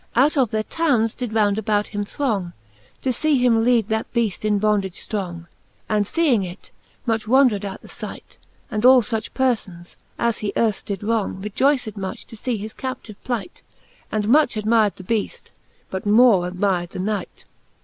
Out of their townes did round about him throng. To fee him leade that Beaft in bondage ftrong, And feeing it, much wondred at the fight ; And all fuch perfons, as he earft did wrong, Rejoyced much to fee his captive plight^ And much admyr'd the Beaft, but more admyr'd the Knight, XXXVIII.